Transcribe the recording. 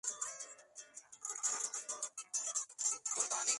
Uno de los más destacables es la adición de simulaciones ópticas.